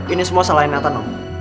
ini semua salahin nathan